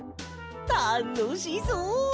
たのしそう！